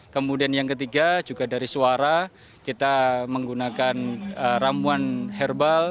kemudian yang ketiga juga dari suara kita menggunakan ramuan herbal